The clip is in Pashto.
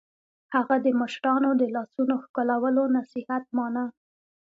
هغه د مشرانو د لاسونو ښکلولو نصیحت مانه